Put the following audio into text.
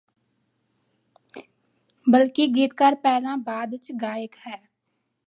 ਬਲਕਿ ਗੀਤਕਾਰ ਪਹਿਲਾਂ ਬਾਅਦ ਚ ਗਾਇਕ ਹੈ